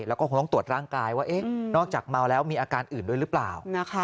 แล้วก็คงต้องตรวจร่างกายว่านอกจากเมาแล้วมีอาการอื่นด้วยหรือเปล่า